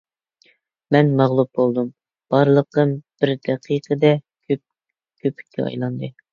مەن مەغلۇپ بولدۇم، بارلىقىم بىر دەقىقىدە كۆپۈككە ئايلاندى.